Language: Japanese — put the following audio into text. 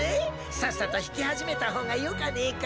さっさと弾き始めた方がよかねえか？